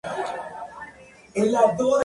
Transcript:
Mientras, la pena capital quedó en suspenso.